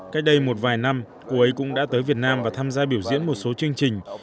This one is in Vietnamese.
cách đây một vài năm cô ấy cũng đã tới việt nam và tham gia biểu diễn một số chương trình